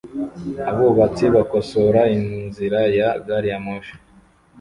abubatsi bakosora inzira ya gari ya moshi